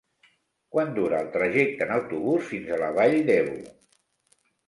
Quant dura el trajecte en autobús fins a la Vall d'Ebo?